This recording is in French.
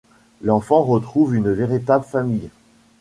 L'enfant retrouve une véritable famille.